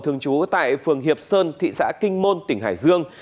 thường trú tại phường hiệp sơn thị xã kinh môn tỉnh hải dương